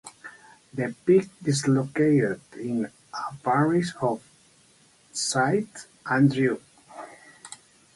The peak is located in the parish of Saint Andrew.